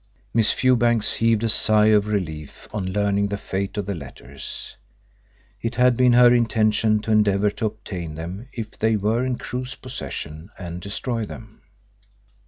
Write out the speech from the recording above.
Miss Fewbanks heaved a sigh of relief on learning the fate of the letters. It had been her intention to endeavour to obtain them if they were in Crewe's possession, and destroy them.